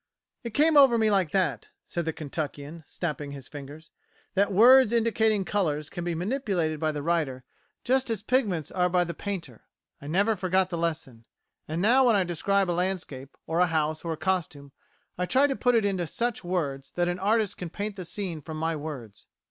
"It came over me like that," said the Kentuckian, snapping his fingers, "that words indicating colours can be manipulated by the writer just as pigments are by the painter. I never forgot the lesson. And now when I describe a landscape, or a house, or a costume, I try to put it into such words that an artist can paint the scene from my words."